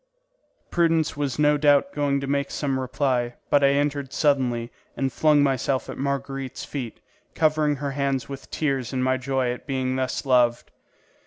Prudence was no doubt going to make some reply, but I entered suddenly and flung myself at Marguerite's feet, covering her hands with tears in my joy at being thus loved.